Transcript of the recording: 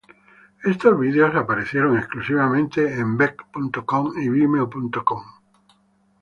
Estos videos aparecieron exclusivamente en beck.com y vimeo.com.